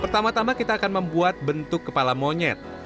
pertama tama kita akan membuat bentuk kepala monyet